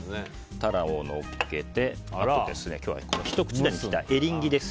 タラをのっけて今日はひと口大に切ったエリンギです。